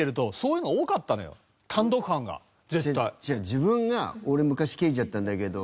自分が「俺昔刑事やってたんだけど。